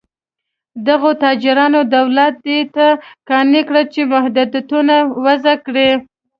دغو تاجرانو دولت دې ته قانع کړ چې محدودیتونه وضع کړي.